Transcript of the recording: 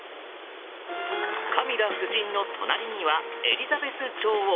カミラ夫人の隣にはエリザベス女王。